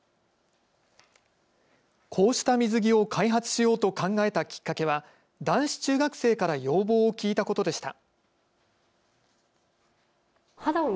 こうした水着を開発しようと考えたきっかけは男子中学生から要望を聞いたことでした。